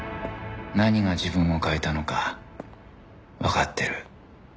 何が自分を変えたのかわかってる